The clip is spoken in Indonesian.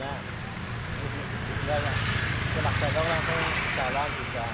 jika kita buka lampu jalan bisa